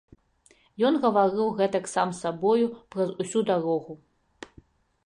Ён гаварыў гэтак сам з сабою праз усю дарогу.